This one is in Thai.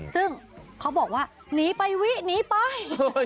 ซึ่งเขาบอกว่าหนีไปวิหนีไป